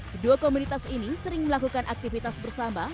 kedua komunitas ini sering melakukan aktivitas bersama